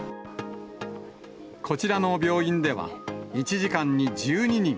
こちらの病院では、１時間に１２人。